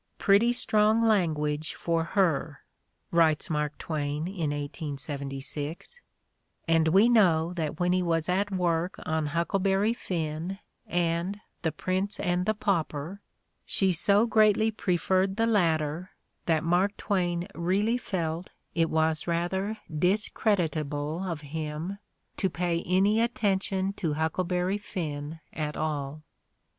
Pretty strong language for her," writes Mark Twain in 1876; and we know that when he was at work on "Huckleberry Finn" and "The Prince and the Pauper, '' she so greatly preferred the" latter that Mark Twain really felt it was rather discreditable of The Candidate for Gentility 121 him to pay any attention to "Huckleberry Finn" at all.